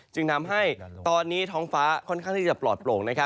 จึงทำให้ตอนนี้ท้องฟ้าค่อนข้างที่จะปลอดโปร่ง